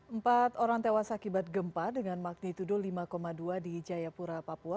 empat orang tewas akibat gempa dengan magnitudo lima dua di jayapura papua